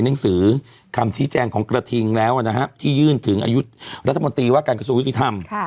หนังสือคำชี้แจงของกระทิงแล้วนะฮะที่ยื่นถึงอายุรัฐมนตรีว่าการกระทรวงยุติธรรม